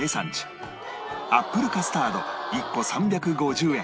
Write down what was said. アップルカスタード１個３５０円